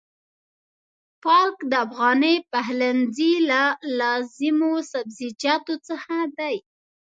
پالک د افغاني پخلنځي له لازمو سبزيجاتو څخه دی.